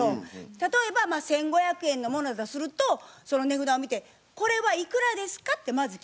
例えば１，５００円のものだとするとその値札を見て「これはいくらですか？」ってまず聞くんです。